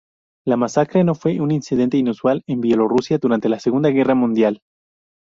La masacre no fue un incidente inusual en Bielorrusia durante la Segunda Guerra Mundial.